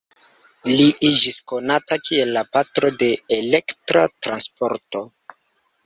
Li iĝis konata kiel la "Patro de Elektra Transporto".